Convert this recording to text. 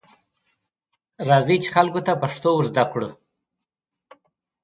راځئ، چې خلکو ته پښتو ورزده کړو.